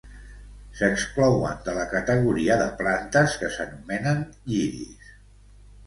S'exclouen de la categoria de plantes que s'anomenen "lliris".